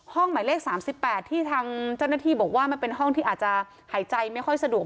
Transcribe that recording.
หมายเลข๓๘ที่ทางเจ้าหน้าที่บอกว่ามันเป็นห้องที่อาจจะหายใจไม่ค่อยสะดวก